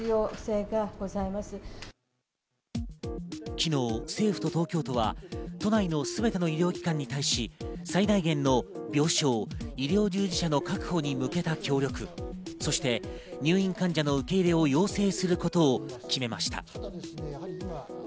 昨日、政府と東京都は都内のすべての医療機関に対し、最大限の病床、医療従事者の確保に向けた協力、そして、入院患者の受け入れを要請することを決めました。